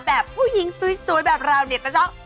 แบบผู้หญิงสวยแบบเราเนี่ยก็ต้อง